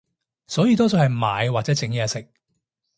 所以多數係買或者整嘢食